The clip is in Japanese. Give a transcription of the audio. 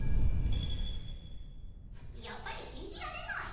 やっぱりしんじられない。